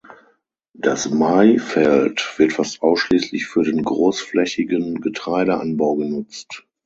Das Maifeld wird fast ausschließlich für den großflächigen Getreideanbau genutzt.